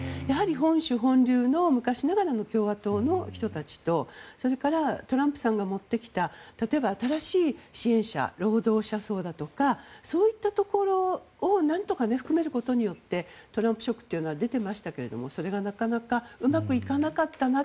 本種本流の昔ながらの共和党の人たちとそれからトランプさんが持ってきた例えば新しい支援者労働者層だとかそういったところを何とか含めることによってトランプ色は出ていましたがそれがなかなかうまくいかなかったな